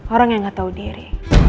orang yang gak tahu diri